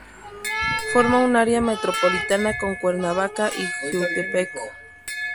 Forma un área metropolitana con Cuernavaca y Jiutepec.